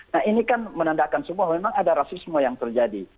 nah ini kan menandakan semua memang ada rasisme yang terjadi